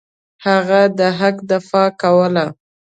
هغه د حق دفاع کوله.